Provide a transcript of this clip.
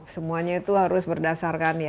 semuanya itu harus berdasarkan